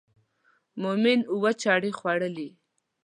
مومن اووه چړې خوړلې دي.